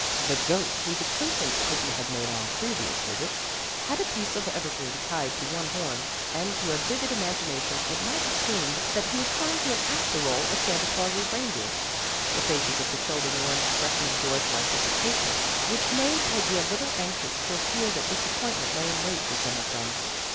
The goat whose ac quaintance Peggy had made on previous visits, had a piece of evergreen tied to one horn, and to a vivid imagination it might have seemed that he was trying to enact the role of one of Santa Glaus' reindeer. The faces of the chil dren wore an expression of joyful anticipation which made Peggy a little anxious for fear that disappointment lay in wait for some of them.